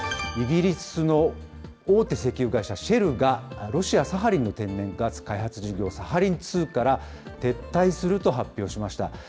イギリスの大手石油会社、シェルが、ロシア・サハリンの天然ガス開発事業、サハリン２から撤退すると発表しました。